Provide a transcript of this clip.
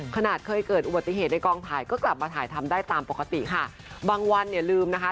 ขนาดเคยเกิดอุบัติเหตุในกองถ่ายก็กลับมาถ่ายทำได้ตามปกติค่ะบางวันเนี่ยลืมนะคะ